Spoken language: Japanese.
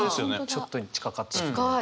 ちょっと近かったですね。